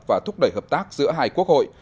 và thúc đẩy hợp tác giữa hai quốc hội